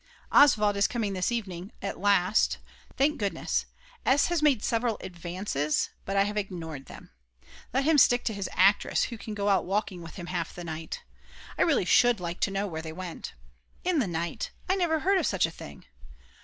Oswald is coming this evening, at last. Thank goodness. S. has made several advances, but I have ignored them. Let him stick to his actress who can go out walking with him half the night. I really should like to know where they went. In the night, I never heard of such a thing!